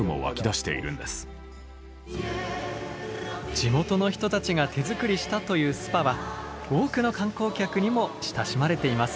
地元の人たちが手作りしたというスパは多くの観光客にも親しまれています。